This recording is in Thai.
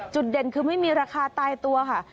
จุดเด่นคือไม่มีราคาตายตัวค่ะ